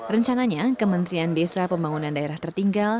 rencananya kementerian desa pembangunan daerah tertinggal